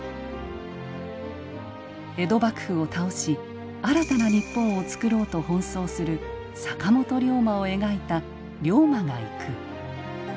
江戸幕府を倒し新たな日本を作ろうと奔走する坂本龍馬を描いた「竜馬がゆく」。